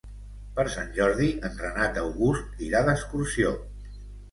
Per Sant Jordi en Renat August irà d'excursió.